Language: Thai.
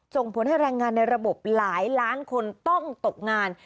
ส่งผลให้แรงงานในระบบหลายล้านคนต้องตกงาน